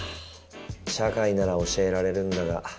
社会なら教えられるんだが。